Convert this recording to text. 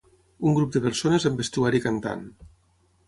Un grup de persones amb vestuari cantant.